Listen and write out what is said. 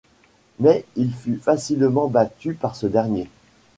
Mais il fut facilement battu par ce dernier.